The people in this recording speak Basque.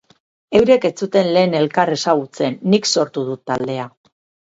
Eurek ez zuten lehen elkar ezagutzen, nik sortu dut taldea.